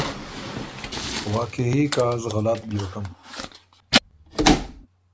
واقعي که از غلط بیوکم۔